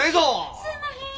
すんまへん！